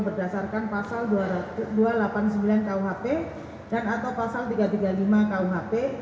berdasarkan pasal dua ratus delapan puluh sembilan kuhp dan atau pasal tiga ratus tiga puluh lima kuhp